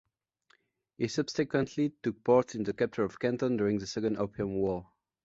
He subsequently took part in the capture of Canton during the Second Opium War.